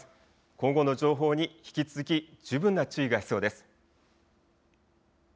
今後の情報に引き続き十分な注意が必要です。